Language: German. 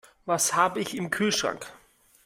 Was habe ich im Kühlschrank?